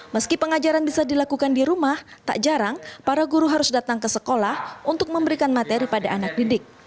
meski pengajaran bisa dilakukan di rumah tak jarang para guru harus datang ke sekolah untuk memberikan materi pada anak didik